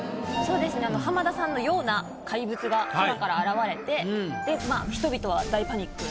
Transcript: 浜田さんのような怪物が空から現れて人々は大パニック。